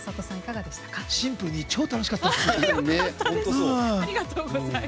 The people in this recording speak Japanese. シンプルに超楽しかったです。